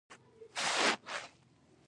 د خپلواکۍ اخیستلو وروسته کورنۍ جګړې پیل شوې.